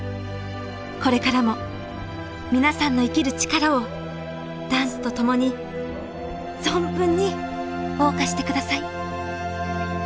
これからも皆さんの生きる力をダンスと共に存分におう歌して下さい。